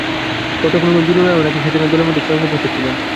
ঘটনাক্রমে বীরু রায়ও নাকি সেদিনের দলের মধ্যে স্বয়ং উপস্থিত ছিলেন।